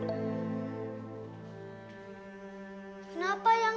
dia bawa dik banyak